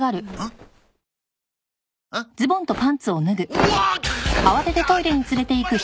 うわっ！